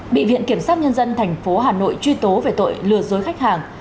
bị viện kiểm sát nhân dân tp hà nội truy tố về tội lừa dối khách hàng